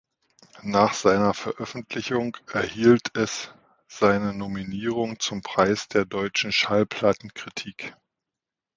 Nach seiner Veröffentlichung erhielt es seine Nominierung zum Preis der deutschen Schallplattenkritik.